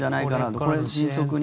これ、迅速に。